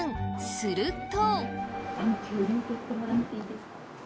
すると。